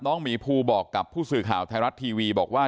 หมีภูบอกกับผู้สื่อข่าวไทยรัฐทีวีบอกว่า